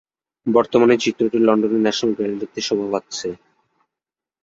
বর্তমানে চিত্রটি লন্ডনের ন্যাশনাল গ্যালারিতে শোভা পাচ্ছে।